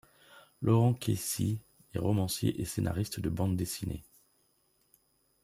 Laurent Queyssi est romancier et scénariste de bande dessinées.